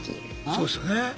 そうですよね。